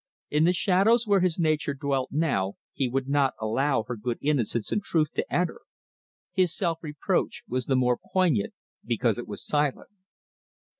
In the shadows where his nature dwelt now he would not allow her good innocence and truth to enter. His self reproach was the more poignant because it was silent.